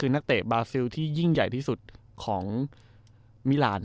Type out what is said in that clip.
คือนักเตะบาซิลที่ยิ่งใหญ่ที่สุดของมิลาน